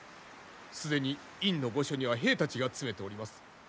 既に院の御所には兵たちが詰めております。